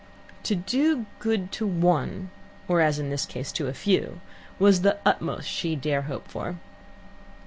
To do good to one, or, as in this case, to a few, was the utmost she dare hope for.